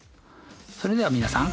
それでは皆さん。